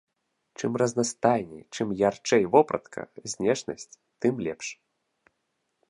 Чым разнастайней, чым ярчэй вопратка, знешнасць, тым лепш.